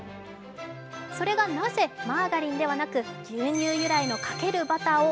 それがなぜ、マーガリンではなく牛乳由来のかけるバターを